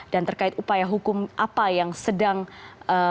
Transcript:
dan terkait upaya hukum apa yang sedang diperlakukan